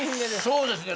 そうですね。